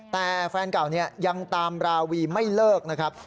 แต่แฟนเก่ายังตามราวีไม่เลิกนะครับ